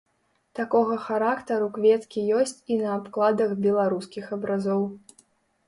Такога характару кветкі ёсць і на абкладах беларускіх абразоў.